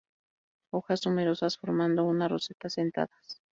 Hojas numerosas formando una roseta, sentadas.